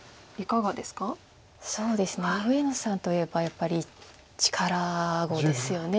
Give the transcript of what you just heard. そうですね上野さんといえばやっぱり力碁ですよね。